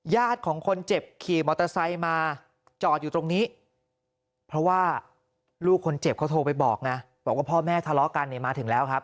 ของคนเจ็บขี่มอเตอร์ไซค์มาจอดอยู่ตรงนี้เพราะว่าลูกคนเจ็บเขาโทรไปบอกไงบอกว่าพ่อแม่ทะเลาะกันเนี่ยมาถึงแล้วครับ